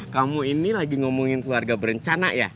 kamu ini lagi ngomongin keluarga berencana ya